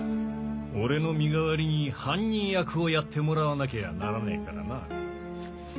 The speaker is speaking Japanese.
俺の身代わりに犯人役をやってもらわなきゃならねえからな。